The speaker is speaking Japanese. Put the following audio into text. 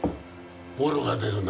ボロが出るな。